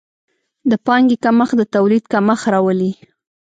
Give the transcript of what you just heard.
د پانګې کمښت د تولید کمښت راولي.